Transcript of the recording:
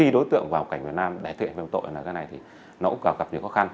đối tượng vào cảnh việt nam đẻ thuyện về một tội là cái này thì nó cũng gặp nhiều khó khăn